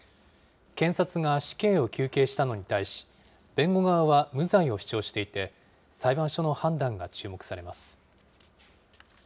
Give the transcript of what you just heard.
検察が死刑を求刑したのに対し、弁護側は無罪を主張していて、裁判所の判断が注目されます。